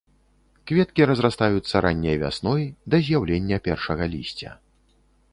Кветкі разрастаюцца ранняй вясной да з'яўлення першага лісця.